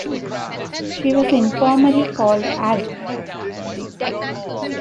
She was informally called Abby.